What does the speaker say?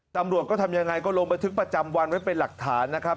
ตำรวจก็ทำยังไงก็ลงบันทึกประจำวันไว้เป็นหลักฐานนะครับ